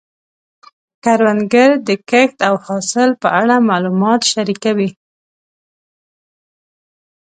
کروندګر د کښت او حاصل په اړه معلومات شریکوي